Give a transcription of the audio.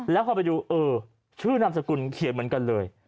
แล้วพอไปดูเออชื่อนามสกุลเขียนเหมือนกันเลย